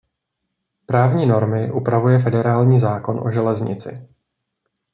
Právní normy upravuje Federální zákon o železnici.